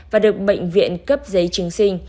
và được bệnh viện cấp giấy chứng sinh